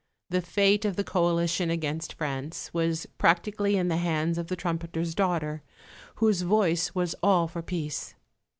The fate of the coalition against France was practically in the hands of the trumpeter's daughter, whose voice was all for peace.